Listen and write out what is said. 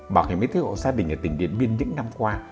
bảo hiểm y tế hộ gia đình ở tỉnh điện biên những năm qua